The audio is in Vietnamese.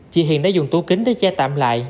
chị hiền đã dùng tủ kính để che tạm lại